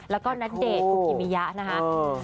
แล้วก็นัดเดทกุกกิมิยะนะฮะอุ๊ยคู่